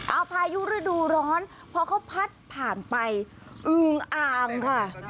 เอาพายุฤดูร้อนพอเขาพัดผ่านไปอึงอ่างค่ะ